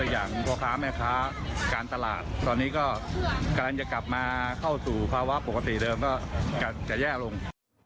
อย่างพ่อค้าแม่ค้าการตลาดตอนนี้ก็กำลังจะกลับมาเข้าสู่ภาวะปกติเดิมก็จะแย่ลง